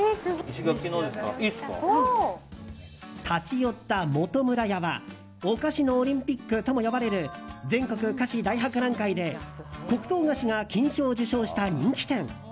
立ち寄ったもとむら屋はお菓子のオリンピックとも呼ばれる全国菓子大博覧会で黒糖菓子が金賞を受賞した人気店。